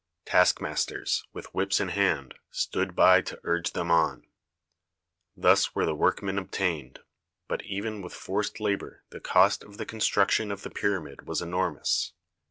Taskmasters, with whips in hand, stood by to urge them on. Thus were the workmen obtained, but even with forced labour the cost of the construction of the pyramid was enormous.